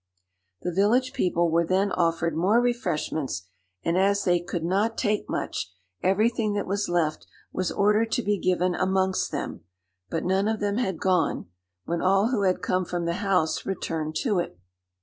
The village people were then offered more refreshments, and as they could not take much, everything that was left was ordered to be given amongst them; but none of them had gone, when all who had come from the house returned to it.